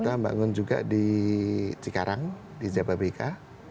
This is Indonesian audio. kita bangun juga di cikarang di jababeka